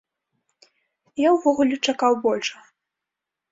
Я ўвогуле чакаў большага.